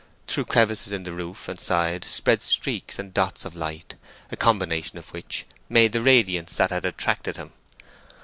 Through crevices in the roof and side spread streaks and dots of light, a combination of which made the radiance that had attracted him.